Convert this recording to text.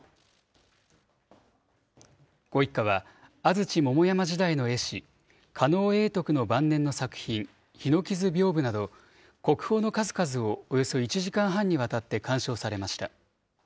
ご一家は安土桃山時代の絵師、狩野永徳の晩年の作品、檜図屏風など、国宝の数々をおよそ１時間半にわたって鑑賞されました。